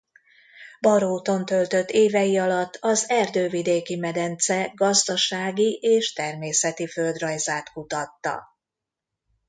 Baróton töltött évei alatt az Erdővidéki-medence gazdasági és természeti földrajzát kutatta.